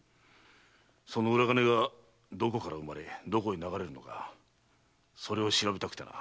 その裏金がどこから生まれどこへ流れるのかそれを調べたくてな。